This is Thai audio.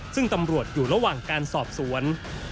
ซึ่งตำรวจอยู่ระหว่างการสอบสวน